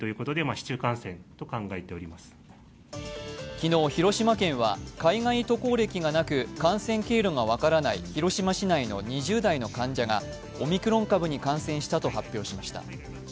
昨日、広島県は海外渡航歴がなく感染経路が分からない広島市内の２０代の患者がオミクロン株に感染したと発表しました。